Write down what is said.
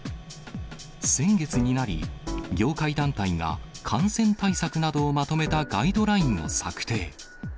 先月になり、業界団体が感染対策などをまとめたガイドラインを策定。